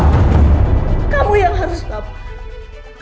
kamu jangan ngomong yang aneh aneh dong pak